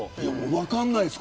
分かんないです。